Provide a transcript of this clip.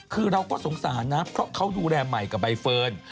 คือเราก็สงสารนะเพราะเขาดูแลใหม่กับใบเฟิร์น